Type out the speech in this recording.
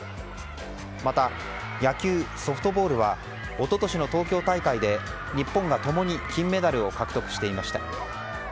また、野球・ソフトボールは一昨年の東京大会で日本が共に金メダルを獲得していました。